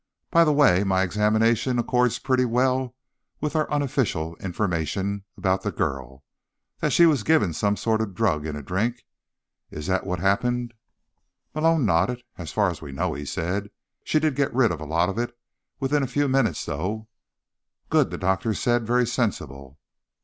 By the way, my examination accords pretty well with our unofficial information about the girl—that she was given some sort of drug in a drink. Is that what happened?" Malone nodded. "As far as we know," he said. "She did get rid of a lot of it within a few minutes, though." "Good," the doctor said. "Very sensible."